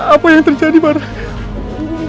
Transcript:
apa yang terjadi marah